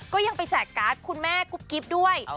ก็ยังไปแจกการ์ดคุณแม่กุ๊บกิ๊บด้วย